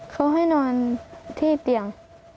เขาให้นอนที่เตียง